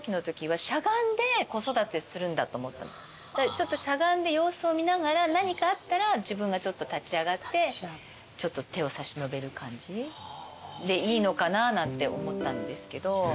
ちょっとしゃがんで様子を見ながら何かあったら自分がちょっと立ち上がって手を差し伸べる感じでいいのかななんて思ったんですけど。